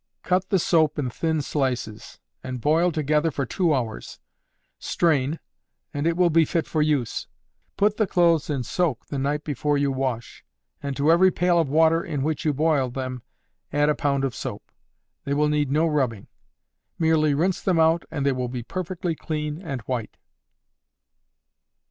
Cut the soap in thin slices, and boil together for two hours; strain, and it will be fit for use. Put the clothes in soak the night before you wash, and to every pail of water in which you boil them, add a pound of soap. They will need no rubbing; merely rinse them out, and they will be perfectly clean and white.